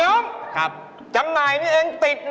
เดี๋ยวไม่ใช่จำหน่ายแบบนั้น